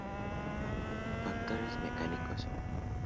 Factores mecánicos.